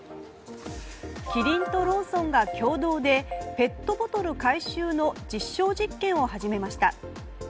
キリンとローソンが共同でペットボトル回収の実証実験を始めました。